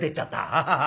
アハハ。